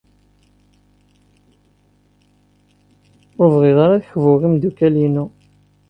Ur bɣiɣ ara ad kbuɣ imeddukal-inu.